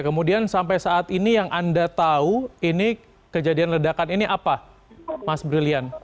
kemudian sampai saat ini yang anda tahu ini kejadian ledakan ini apa mas brilian